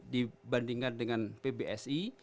dibandingkan dengan pbsi